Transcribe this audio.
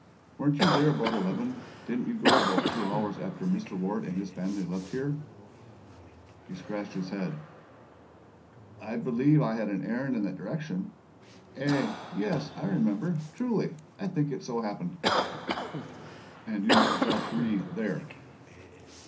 "Weren't you there about eleven? Didn't you go about two hours after Mr. Ward and his friends left here?" He scratched his head. "I believe I had an errand in that direction. Eh? Yes, I remember. Truly, I think it so happened." "And you found Jean Ferret there?"